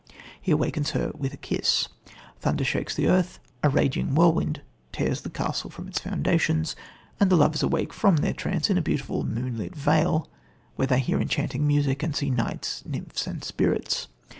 He awakes her with a kiss. Thunder shakes the earth, a raging whirlwind tears the castle from its foundations, and the lovers awake from their trance in a beautiful, moonlit vale where they hear enchanting music and see knights, nymphs and spirits.